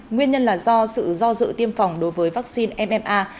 nguyên nhân là do sự do dự tiêm phòng đối với vaccine mma